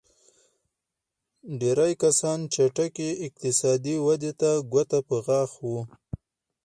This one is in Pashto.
ډېری کسان چټکې اقتصادي ودې ته ګوته په غاښ وو.